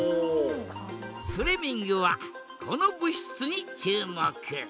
フレミングはこの物質に注目。